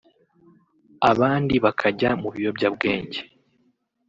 abandi bakajya mu biyobyabwenge